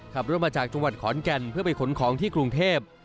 ขับรถมาจากจังหวัดขอนแก่นเพื่อไปขนของที่กรุงเทพ